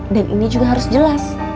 dan ini juga harus jelas